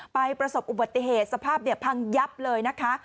ประสบอุบัติเหตุสภาพพังยับเลยนะคะ